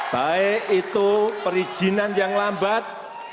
baik itu perizinan yang lambat